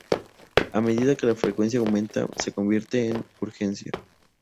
A medida que la frecuencia aumenta, se convierte en urgencia.